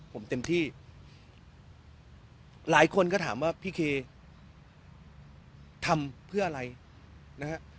ผมเต็มที่หลายคนก็ถามว่าพี่เคทำเพื่ออะไรนะฮะ